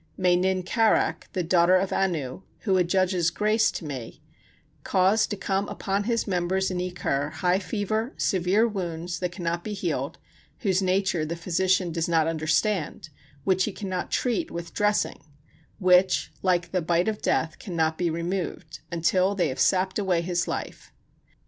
May Nin karak, the daughter of Anu, who adjudges grace to me, cause to come upon his members in E kur, high fever, severe wounds, that cannot be healed, whose nature the physician does not understand, which he cannot treat with dressing, which, like the bite of death, cannot be removed, until they have sapped away his life.